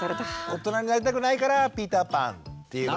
大人になりたくないからピーターパンっていうことですね。